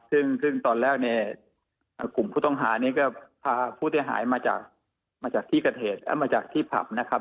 ซึ่งตอนแรกในกลุ่มผู้ต้องหานี่ก็พาผู้ที่หายมาจากที่ผับนะครับ